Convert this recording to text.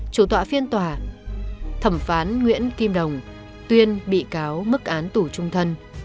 chủ tọa phiên tòa thẩm phán nguyễn kim đồng tuyên bị cáo mức án tù trung thân